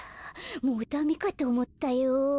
もうダメかとおもったよ。